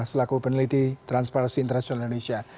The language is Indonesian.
selaku peneliti transparansi internasional indonesia